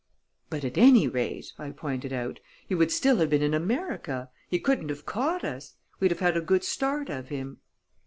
"But, at any rate," I pointed out, "he would still have been in America. He couldn't have caught us. We'd have had a good start of him."